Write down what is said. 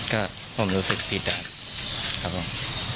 ก็ผมรู้สึกผิดครับผม